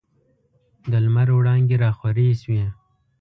د لمر وړانګي راخورې سوې.